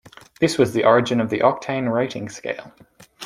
This was the origin of the octane rating scale.